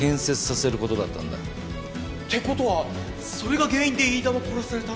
って事はそれが原因で飯田は殺された？